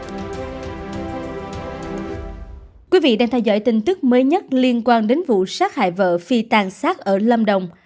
thưa quý vị đang theo dõi tin tức mới nhất liên quan đến vụ sát hại vợ phi tàn sát ở lâm đồng